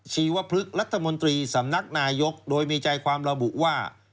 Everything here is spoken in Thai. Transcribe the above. ชีวพฤกษ์รัฐมนตรีสำนักนายกโดยมีใจความระบุว่า